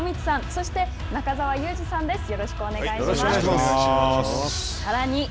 そして中澤佑二さんです。